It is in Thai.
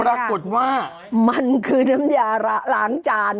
ปรากฏว่ามันคือน้ำยาระล้างจาน